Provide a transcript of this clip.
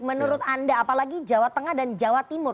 menurut anda apalagi jawa tengah dan jawa timur